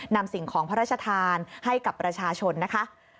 สิ่งของพระราชทานให้กับประชาชนนะคะ